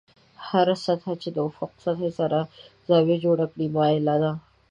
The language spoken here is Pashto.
هره سطحه چې د افق سطحې سره زاویه جوړه کړي مایله ده.